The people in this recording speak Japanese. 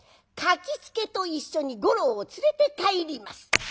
書きつけと一緒に五郎を連れて帰ります。